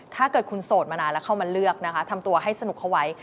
ถ้าเกิดคุณโสดมานานแล้วเข้ามาเลือกนะคะทำตัวให้สนุกเข้าไว้